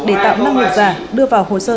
để tạo năng lượng giả đưa vào hồ sơ